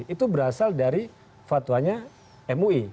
itu berasal dari fatwanya mui